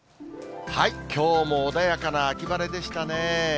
きょうも穏やかな秋晴れでしたね。